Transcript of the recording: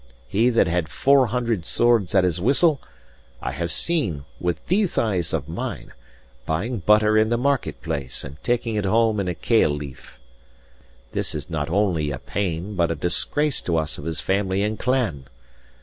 He that had four hundred swords at his whistle, I have seen, with these eyes of mine, buying butter in the market place, and taking it home in a kale leaf. This is not only a pain but a disgrace to us of his family and clan.